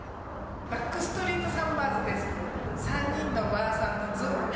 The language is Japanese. バックストリートサンバーズです。